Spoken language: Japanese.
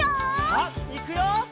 さあいくよ！